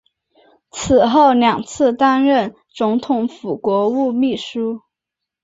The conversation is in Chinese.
此后两次担任总统府国务秘书。